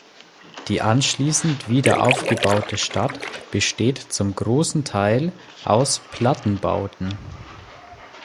Die anschließend wieder aufgebaute Stadt besteht zum großen Teil aus Plattenbauten.